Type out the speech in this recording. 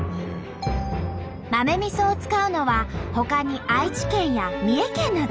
豆みそを使うのはほかに愛知県や三重県など。